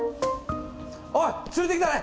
おい連れてきたで！